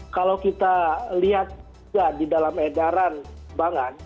kalau kita lihat juga di dalam edaran bangan